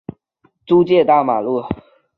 天津方济堂设在天津意租界大马路。